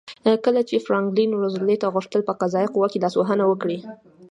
کله چې فرانکلین روزولټ غوښتل په قضایه قوه کې لاسوهنه وکړي.